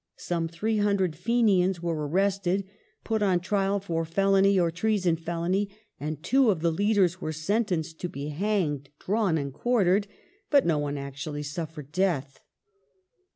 Some 300 Fenians were arrested, put on their trial for felony or treason felony, and two of the leaders were sentenced to be " hanged, drawn, and quartered," but no one actually suffered death.